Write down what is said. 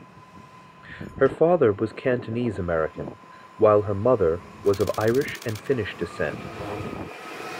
Her father was Cantonese American, while her mother was of Irish and Finnish descent.